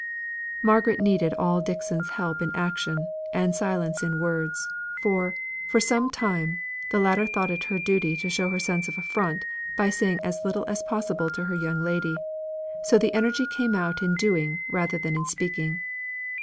Margaret needed all Dixon's help in action, and silence in words; for, for some time, the latter thought it her duty to show her sense of affront by saying as little as possible to her young lady; so the energy came out in doing rather than in speaking.